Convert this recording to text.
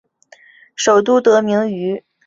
首都得名于伏尔加河的突厥语称呼阿的里。